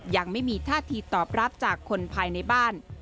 ยังไม่มีท่าทีตอบรับจากคนภายในบ้าน